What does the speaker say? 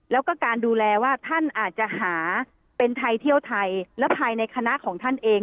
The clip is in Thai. แล้วก็การดูแลว่าท่านอาจจะหาเป็นไทยเที่ยวไทยและภายในคณะของท่านเอง